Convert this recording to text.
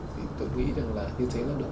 thì tôi nghĩ là như thế là được rồi